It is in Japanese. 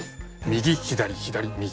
右左左右。